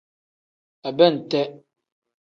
Abente.